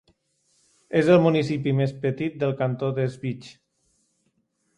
És el municipi més petit del cantó de Schwyz.